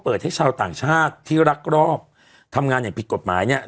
ให้ชาวต่างชาติที่รักรอบทำงานอย่างผิดกฎหมายเนี่ย